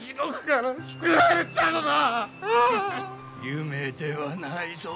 夢ではないぞ。